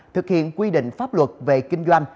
thực hiện quy định pháp luật về kinh doanh